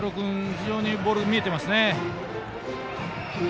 非常にボール見えてますね。